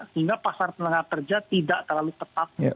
sehingga pasar tenaga kerja tidak terlalu ketat